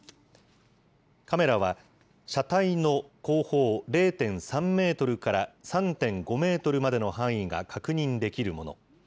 カメラは車体の後方０．３メートルから３．５メートルまでの範囲が確認できるもの。